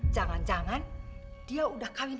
jangan jangan dia udah kawin